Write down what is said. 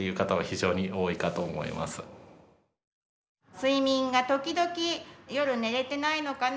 睡眠が時々夜寝れてないのかな。